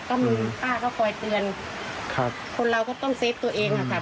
ก็ค่อยเตือนคนเราก็ต้องเซฟตัวเองค่ะ